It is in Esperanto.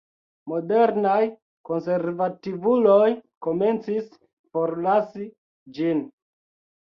Moderaj konservativuloj komencis forlasi ĝin.